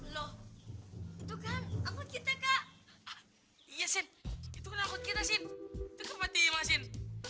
loh itu kan akut kita kak iya sin itu akut kita sin itu kematian mas sin